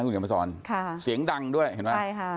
คุณเหญิงอัมภาษรค่ะเสียงดังด้วยใช่ค่ะ